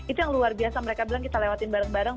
itu yang luar biasa mereka bilang kita lewatin bareng bareng